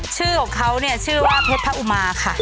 ชื่อของเขาเนี่ยชื่อว่าเพชรพระอุมาค่ะ